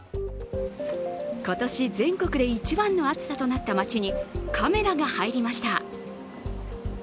今年全国で一番の暑さとなった町にカメラが入りました。